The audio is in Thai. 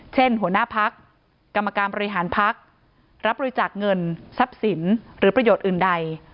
หัวหน้าพักกรรมการบริหารพักรับบริจาคเงินทรัพย์สินหรือประโยชน์อื่นใด